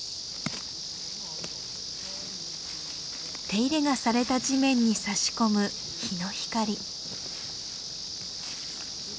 手入れがされた地面にさし込む陽の光。